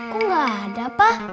kok gak ada pa